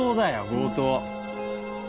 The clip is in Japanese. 強盗！？